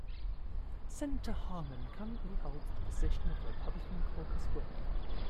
Senator Harman currently holds the position of Republican Caucus Whip.